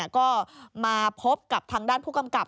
ก็มาพบกับทางด้านผู้กำกับ